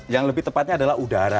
yang lebih tepatnya adalah udara